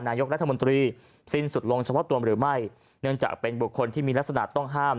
นายกรัฐมนตรีสิ้นสุดลงเฉพาะตัวหรือไม่เนื่องจากเป็นบุคคลที่มีลักษณะต้องห้าม